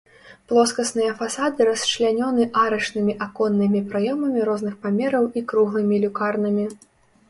Плоскасныя фасады расчлянёны арачнымі аконнымі праёмамі розных памераў і круглымі люкарнамі.